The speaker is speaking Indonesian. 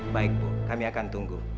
baik bu kami akan tunggu